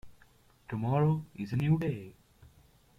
Tomorrow is a new day.